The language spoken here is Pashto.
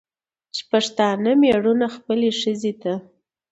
چې پښتانه مېړونه خپلې ښځې ته